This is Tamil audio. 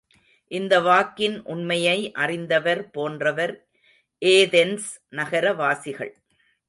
இந்த வாக்கின் உண்மையை அறிந்தவர் போன்றவர் ஏதென்ஸ் நகரவாசிகள்.